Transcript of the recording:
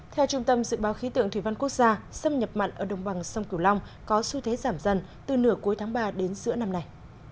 theo trung tâm dự báo khí tượng thủy văn quốc gia xâm nhập mặn ở đồng bằng sông cửu long có xu thế giảm dần từ nửa cuối tháng ba đến giữa năm nay